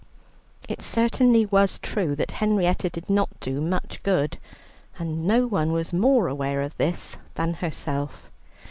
It certainly was true that Henrietta did not do much good, and no one was more aware of this than herself.